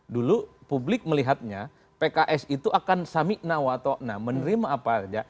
dulu publik melihatnya pks itu akan samiknaw atau menerima apa saja